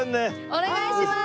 お願いします！